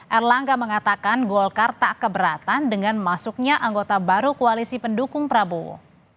erlangga mengatakan golkar tak keberatan dengan masuknya anggota baru koalisi pendukung prabowo